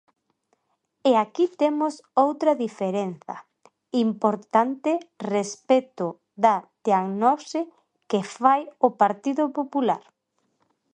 E aquí temos outra diferenza importante respecto da diagnose que fai o Partido Popular.